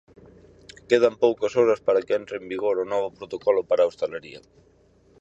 Quedan poucas horas para que entre en vigor o novo protocolo para a hostalería.